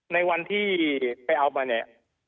ในวันที่ไปเอามาเนี่ย